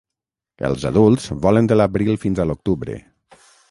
Els adults volen de l'abril fins a l'octubre.